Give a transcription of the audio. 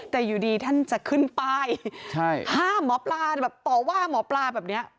แต่อยู่ดีท่านจะขึ้นป้ายห้ามหมอปลาแบบต่อว่าหมอปลาแบบเนี้ย